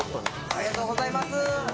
ありがとうございます。